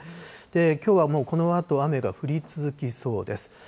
きょうはもうこのあと雨が降り続きそうです。